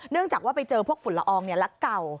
เนื่องจากว่าไปเจอพวกฝุ่นละอองแล้วก่าว